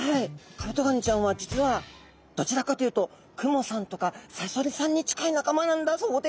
カブトガニちゃんは実はどちらかというとクモさんとかサソリさんに近い仲間なんだそうです。